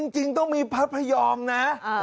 จริงต้องมีพระพยอมนะ